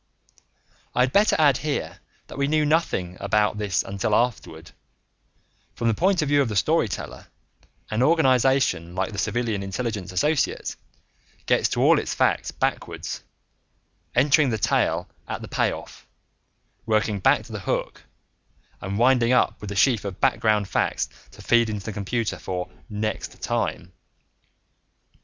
I had better add here that we knew nothing about this until afterward; from the point of view of the storyteller, an organization like Civilian Intelligence Associates gets to all its facts backwards, entering the tale at the pay off, working back to the hook, and winding up with a sheaf of background facts to feed into the computer for Next Time.